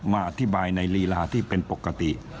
มาอธิบายในลีลาที่เป็นปกติ